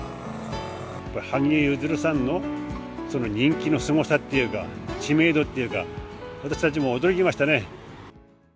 羽生結弦さんの、その人気のすごさっていうか、知名度っていうか、私たちも驚きましたね。